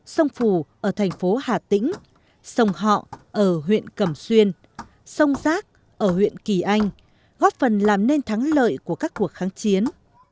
sông phù ở thành phố hà tĩnh sông họ ở huyện cẩm xuyên sông rác ở huyện kỳ anh góp phần làm nên thắng lợi của các cuộc kháng chiến